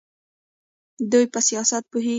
دوی په سیاست پوهیږي.